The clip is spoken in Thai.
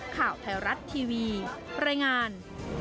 ข่าวไทยรัฐทีวีรายงาน